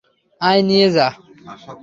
আয় নিয়ে যা।